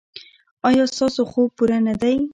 ایا ستاسو خوب پوره نه دی؟